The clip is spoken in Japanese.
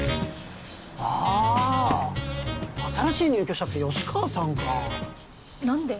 ああ新しい入居者って吉川さんか何で？